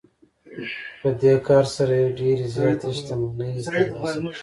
په دې کار سره یې ډېرې زیاتې شتمنۍ ترلاسه کړې